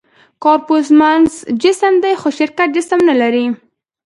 «کارپوس» معنس جسم دی؛ خو شرکت جسم نهلري.